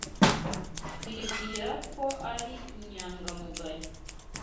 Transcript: Twibwira ko ari inyangamugayo.